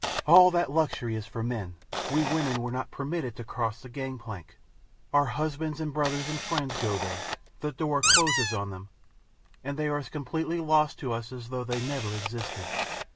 "All that luxury is for men; we women are not permitted to cross the gangplank. Our husbands and brothers and friends go there; the door closes on them, and they are as completely lost to us as though they never existed.